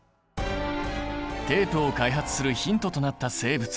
テープを開発するヒントとなった生物。